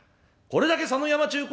これだけ佐野山ちゅう